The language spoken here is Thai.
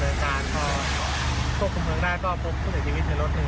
เพียงรายครับเบื้องต้นเจ้าหลังที่ก้อน